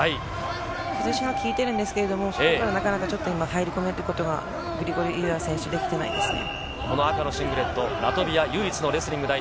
崩しが効いているんですけれど、そこからなかなか入り込むことがグリゴルイエワ選手できていないですね。